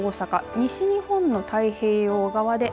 西日本の太平洋側で雨。